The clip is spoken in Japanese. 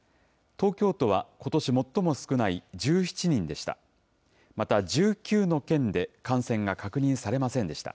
東京都は、ことし最も少ない１７人でした。